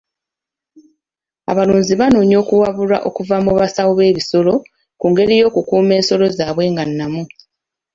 Abalunzi banoonya okuwabulwa okuva mu basawo b'ebisolo ku ngeri y'okukuuma ensolo zaabwe nga nnamu.